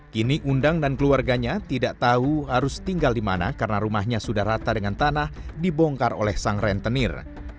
kini undang dan keluarganya tidak tahu harus tinggal di mana karena rumahnya sudah rata dengan tanah dibongkar oleh sang rentenir